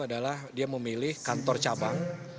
adalah dia memilih kantor cabang